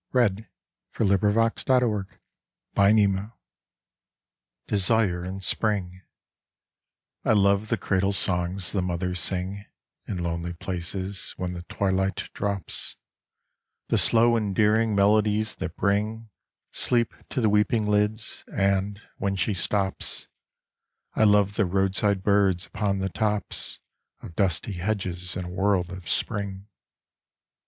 The wild delights of Spring. 37 184243 DESIRE IN SPRING I LOVE the cradle songs the mothers sing In lonely places when the twilight drops, The slow endearing melodies that bring Sleep to the weeping lids ; and, when she stops, I love the roadside birds upon the tops Of dusty hedges in a world of Spring.